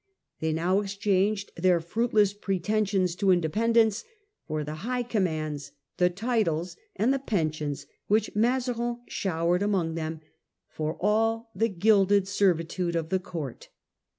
They now exchanged their fruitless pre tensions to independence for the high commands, the titles, and the pensions which Mazarin showered among them, for all the gilded servitude of the court.